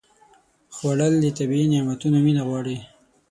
خوړل د طبیعي نعمتونو مینه غواړي